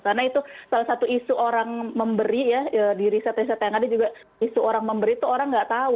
karena itu salah satu isu orang memberi ya di riset riset yang ada juga isu orang memberi itu orang nggak tahu